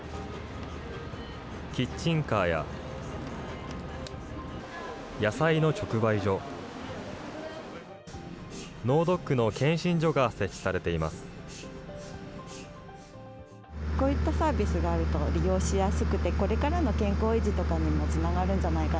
キッチンカーや、野菜の直売所、脳ドックの検診所が設置されています。